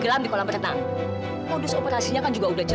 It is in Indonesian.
sampai jumpa di video selanjutnya